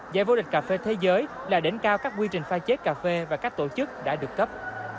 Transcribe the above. giải vô địch cà phê thế giới là đỉnh cao các quy trình pha chế cà phê và các tổ chức đã được cấp